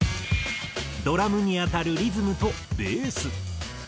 ドラムに当たるリズムとベース。